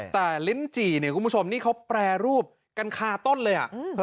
แต่ลิ้นจี่เนี่ยคุณผู้ชมนี่เขาแปรรูปกันคาต้นเลย